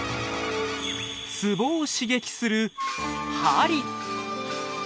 ツボを刺激する鍼！